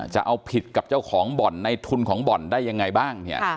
จะเอาผิดกับเจ้าของบ่อนในทุนของบ่อนได้ยังไงบ้างเนี่ย